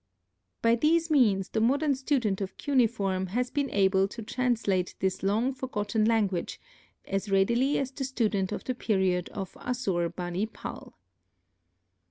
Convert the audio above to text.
By these means the modern student of cuneiform has been able to translate this long forgotten language as readily as the student of the period of Assur bani pal.